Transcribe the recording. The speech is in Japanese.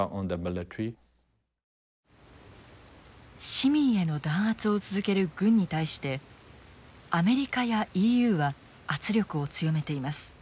市民への弾圧を続ける軍に対してアメリカやＥＵは圧力を強めています。